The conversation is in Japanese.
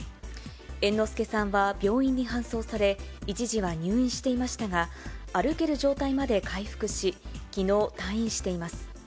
猿之助さんは病院に搬送され、一時は入院していましたが、歩ける状態まで回復し、きのう、退院しています。